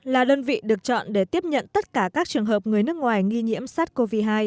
là đơn vị được chọn để tiếp nhận tất cả các trường hợp người nước ngoài nghi nhiễm sars cov hai